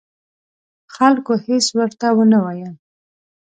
خلکو هېڅ ورته ونه ویل.